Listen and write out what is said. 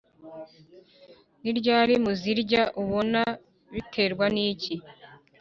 ni ryari muzirya ? ubona biterwa n’iki?